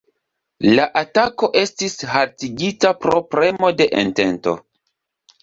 La atako estis haltigita pro premo de Entento.